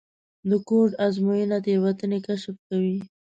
د کوډ ازموینه تېروتنې کشف کوي.